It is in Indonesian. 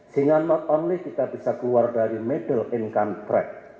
sehingga not only kita bisa keluar dari middle income track